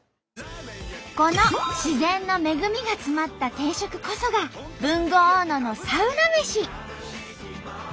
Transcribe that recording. この自然の恵みがつまった定食こそが豊後大野のサウナ飯。